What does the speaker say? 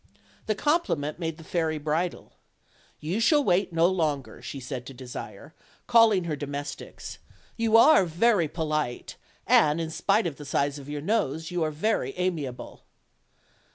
This compliment made the fairy bridle. "You shall wait no longer," said she to Desire, calling her domes tics; "you are very polite, and, in spite of the size of your nose, you are very amiable."